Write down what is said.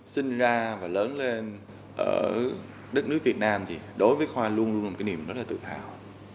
sinh ra và lớn lên ở đất nước việt nam thì đối với khoa luôn luôn là một cái niềm rất là tự hào